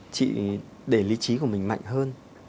chị để lý trí của mình mạnh hơn